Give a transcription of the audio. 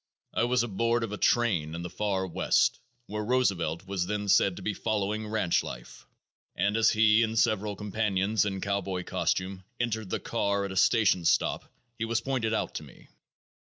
I was aboard of a train in the far west, where Roosevelt was then said to be following ranch life, and as he and several companions in cowboy costume entered the car at a station stop, he was pointed out to me.